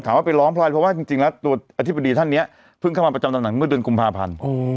ว่าไปร้องพลอยเพราะว่าจริงแล้วตัวอธิบดีท่านนี้เพิ่งเข้ามาประจำตำแหน่งเมื่อเดือนกุมภาพันธ์